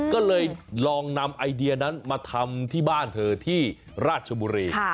ก็เลยลองนำไอเดียนั้นมาทำที่บ้านเธอที่ราชบุรี